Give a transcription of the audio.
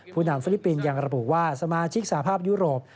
นำฟิลิปปินส์ยังระบุว่าสมาชิกสภาพยุโรป